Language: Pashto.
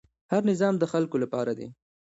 هر نظام د خلکو لپاره دی